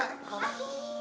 aduh ini gimana sih